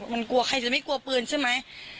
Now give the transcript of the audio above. มันกลัวใครจะไม่กลัวปืนใช่ไหม